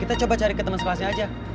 kita coba cari temen sekelasnya aja